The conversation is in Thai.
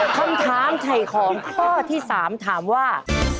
คำถามไถ่ของข้อที่๓ถามว่า